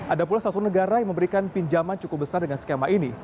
ada pula satu negara yang memberikan pinjaman cukup besar dengan skema ini